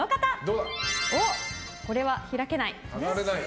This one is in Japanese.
これは開けない。